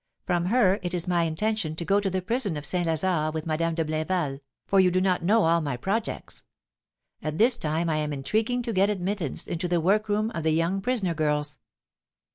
From her, it is my intention to go to the prison of St. Lazare with Madame de Blinval, for you do not know all my projects; at this time I am intriguing to get admittance into the workroom of the young prisoner girls."